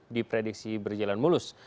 di prediksi berjalan mulus